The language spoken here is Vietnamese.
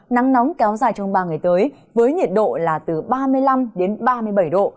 nắng nóng kéo dài trong ba ngày tới với nhiệt độ là từ ba mươi năm đến ba mươi bảy độ